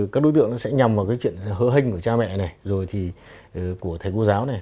các đối tượng sẽ nhầm vào chuyện hỡ hênh của cha mẹ này của thầy cô giáo này